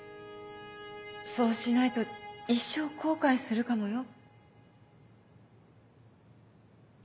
そうしないと一生後悔するかもよ。